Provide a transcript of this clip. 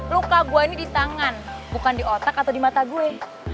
luka gue ini di tangan bukan di otak atau di mata gue